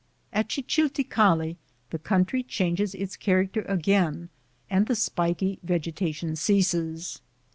At Chichilticalli the country changes ita character again and the spiky vegetation ceases.